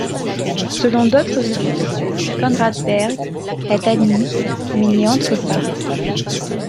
Selon d'autres sources, Conrad Berg est admis mais n'y entre pas.